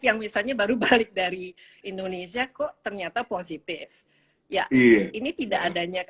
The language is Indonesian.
yang misalnya baru balik dari indonesia kok ternyata positif ya ini tidak adanya